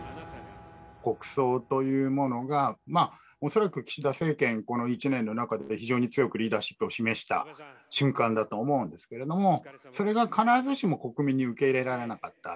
国葬というものが、恐らく岸田政権、この１年の中で非常に強くリーダーシップを示した瞬間だと思うんですけれども、それが必ずしも国民に受け入れられなかった。